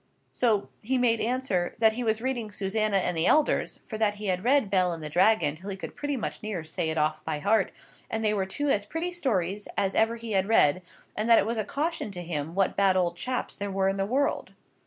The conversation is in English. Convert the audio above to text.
So he made answer, 'That he was reading Susannah and the Elders, for that he had read Bel and the Dragon till he could pretty near say it off by heart, and they were two as pretty stories as ever he had read, and that it was a caution to him what bad old chaps there were in the world.